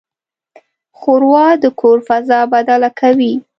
ښوروا د کور فضا بدله کوي.